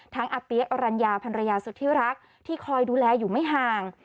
อาเปี๊ยะอรัญญาพันรยาสุดที่รักที่คอยดูแลอยู่ไม่ห่าง